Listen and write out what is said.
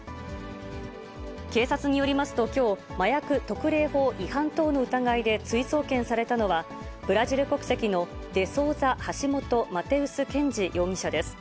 警察によりますと、きょう、麻薬特例法違反等の疑いで追送検されたのは、ブラジル国籍のデ・ソウザ・ハシモト・マテウス・ケンジ容疑者です。